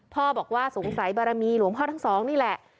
พ่อบอกว่าสงสัยบารมีหลวงพ่อทั้งสองนี่แหละ